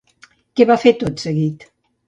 Què va fer tot seguit?